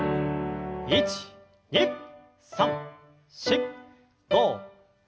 １２３４５６７８。